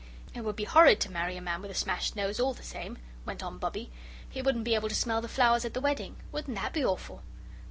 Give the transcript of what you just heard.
"It would be horrid to marry a man with a smashed nose, all the same," went on Bobbie. "He wouldn't be able to smell the flowers at the wedding. Wouldn't that be awful!"